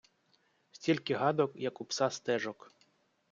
Стільки гадок, як у пса стежок.